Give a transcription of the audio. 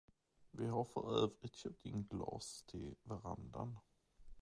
Vi har för övrigt köpt in glas till Verandan.